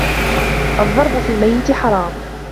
الضرب في الميت حرام